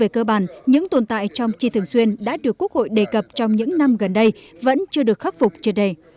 cơ bản những tồn tại trong chi thường xuyên đã được quốc hội đề cập trong những năm gần đây vẫn chưa được khắc phục triệt đề